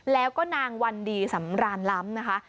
แล้วก็นางวันดีสำรานล้ำนะคะ